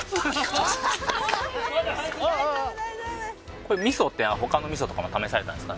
これ味噌って他の味噌とかも試されたんですか？